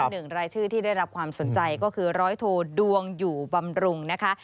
หนึ่งรายชื่อที่ได้รับความสนใจก็คือร้อยโทดวงอยู่บำรุงนะคะ